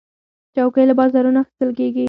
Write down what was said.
چوکۍ له بازارونو اخیستل کېږي.